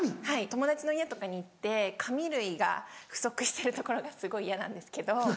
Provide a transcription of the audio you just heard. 友達の家とかに行って紙類が不足してるところがすごい嫌なんですけど。